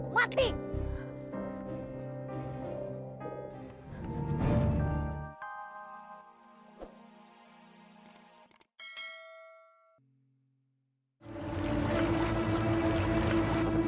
tidak aku tidak sudi